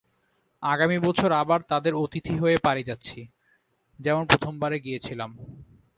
আগামী বছর আবার তাঁদের অতিথি হয়ে পারি যাচ্ছি, যেমন প্রথমবারে গিয়েছিলাম।